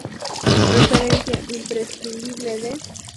Referencia imprescindible de